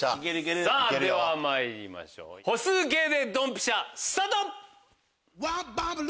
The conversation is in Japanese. さぁではまいりましょう歩数計 ｄｅ ドンピシャスタート！